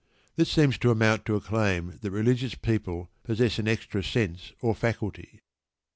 This seems to amount to a claim that religious people possess an extra sense or faculty.